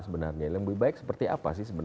sebenarnya lebih baik seperti apa sih